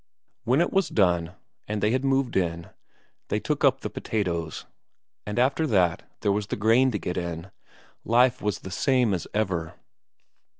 When it was done, and they had moved in, they took up the potatoes, and after that there was the corn to get in. Life was the same as ever.